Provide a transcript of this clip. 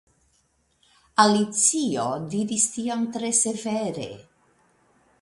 Alicio diris tion tre severe.